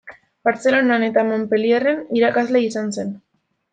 Bartzelonan eta Montpellierren irakasle izan zen.